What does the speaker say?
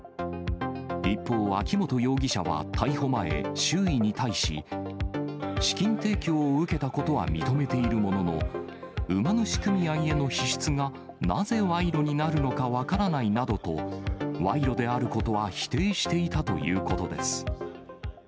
一方、秋本容疑者は逮捕前、周囲に対し、資金提供を受けたことは認めているものの、馬主組合への支出がなぜ賄賂になるのか分からないなどと、賄賂であることは否定していたということです。